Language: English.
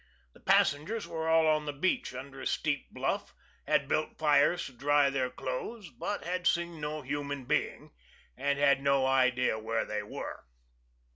The passengers were all on the beach, under a steep bluff; had built fires to dry their clothes, but had seen no human being, and had no idea where they were.